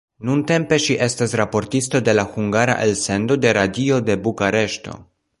Nuntempe ŝi estas raportisto de la hungara elsendo de radio de Bukareŝto.